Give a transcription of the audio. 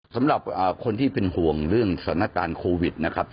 สำหรับคนที่เป็นห่วงเรื่องสถานการณ์โควิดนะครับ